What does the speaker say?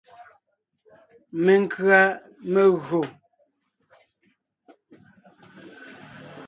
Menkʉ̀a megÿò.